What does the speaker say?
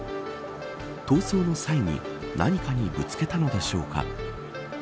逃走の際に何かにぶつけたのでしょうか。